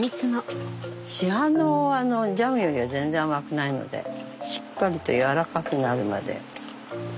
市販のジャムよりは全然甘くないのでしっかりとやわらかくなるまで。